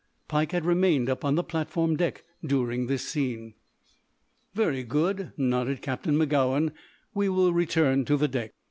Pike had remained up on the platform deck during this scene. "Very good," nodded Captain Magowan. "We will return to the deck.